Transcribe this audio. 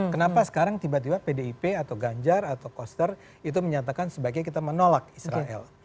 kenapa sekarang tiba tiba pdip atau ganjar atau koster itu menyatakan sebaiknya kita menolak israel